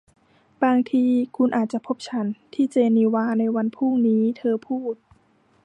บางทีคุณอาจจะพบฉันที่เจนีวาในวันพรุ่งนี้เธอพูด